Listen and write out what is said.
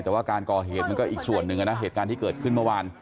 แต่ว่าการก่อเหตุมันก็อีกส่วนหนึ่งนะเหตุการณ์ที่เกิดขึ้นเมื่อวาน